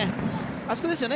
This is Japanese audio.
あそこですよね。